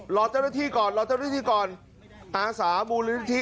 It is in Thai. หลอกเจ้าหน้าที่ก่อนหลอกเจ้าหน้าที่ก่อนอาสาบุรีละทิ